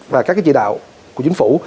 và các cái chỉ đạo của chính phủ